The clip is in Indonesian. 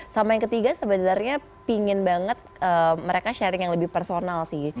sama yang ketiga sebenarnya pingin banget mereka sharing yang lebih personal sih